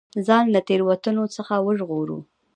ځان له تېروتنو څخه وژغورو.